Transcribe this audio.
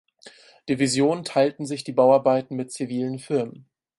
Division teilten sich die Bauarbeiten mit zivilen Firmen.